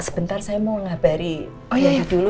sebentar saya mau menghabari rendy dulu nih